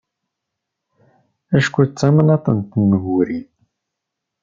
Acku d tamnaḍt n temguri.